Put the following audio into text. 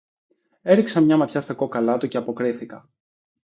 Έριξα μια ματιά στα κόκαλα του και αποκρίθηκα: